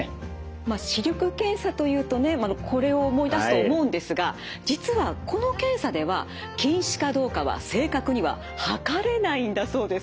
まあ視力検査というとねこれを思い出すと思うんですが実はこの検査では近視かどうかは正確には測れないんだそうです。